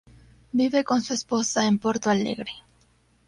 Vive con su esposa en Porto Alegre.